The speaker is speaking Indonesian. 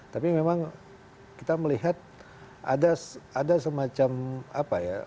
tapi memang kita melihat ada semacam apa ya